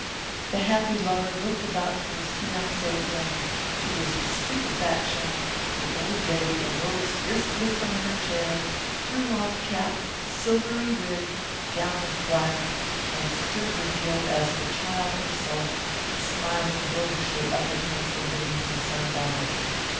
The happy lover looked about for his fiance when, to his stupefaction, the old lady arose briskly from her chair, threw off cap, silvery wig, gown of black, and stood revealed as the child herself, smiling roguishly up at him from beneath the sunbonnet.